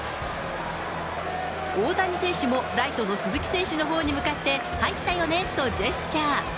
大谷選手もライトの鈴木選手のほうに向かって、入ったよねとジェスチャー。